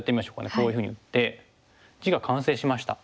こういうふうに打って地が完成しました。